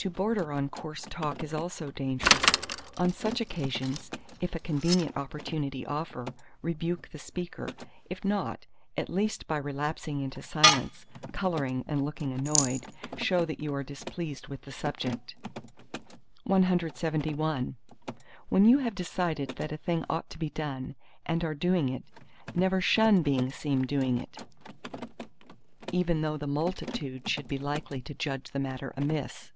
To border on coarse talk is also dangerous. On such occasions, if a convenient opportunity offer, rebuke the speaker. If not, at least by relapsing into silence, colouring, and looking annoyed, show that you are displeased with the subject. CLXXII When you have decided that a thing ought to be done, and are doing it, never shun being seen doing it, even though the multitude should be likely to judge the matter amiss.